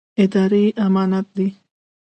اداره امانت دی